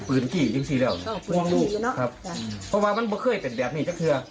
เพราะว่างว่างมันเคยเป็นแบบนี้